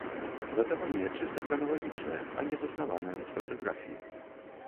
Датаванне чыста храналагічнае, а не заснаванае на стратыграфіі.